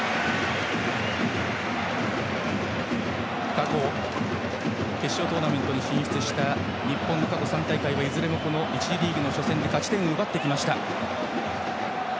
過去、決勝トーナメントに進出した日本の過去３大会はいずれも１次リーグの初戦で勝ち点を奪ってきました。